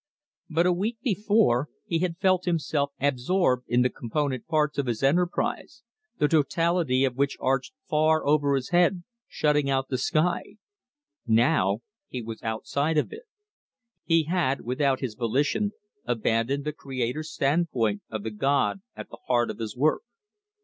But a week before, he had felt himself absorbed in the component parts of his enterprise, the totality of which arched far over his head, shutting out the sky. Now he was outside of it. He had, without his volition, abandoned the creator's standpoint of the god at the heart of his work.